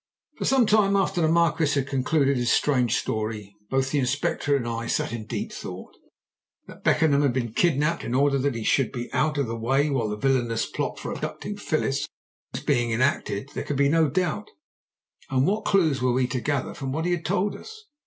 For some time after the Marquis had concluded his strange story both the Inspector and I sat in deep thought. That Beckenham had been kidnapped in order that he should be out of the way while the villainous plot for abducting Phyllis was being enacted there could be no doubt. But why had he been chosen? and what clues were we to gather from what he had told us?